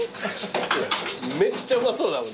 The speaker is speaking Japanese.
めっちゃうまそうだもん。